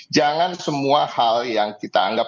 jangan semua hal yang kita anggap